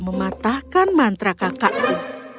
mematahkan mantra kakakku